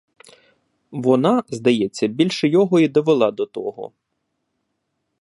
Вона, здається, більше його і довела до того.